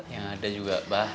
yang ada juga abah